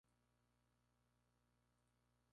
La difusión del culto a Ntra.